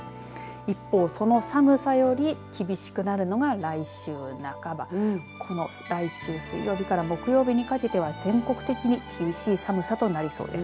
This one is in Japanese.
一方、その寒さより厳しくなるのが、来週半ばこの来週水曜日から木曜日にかけては全国的に厳しい寒さとなりそうです。